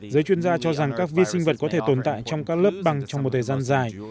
giới chuyên gia cho rằng các vi sinh vật có thể tồn tại trong các lớp bằng trong một thời gian dài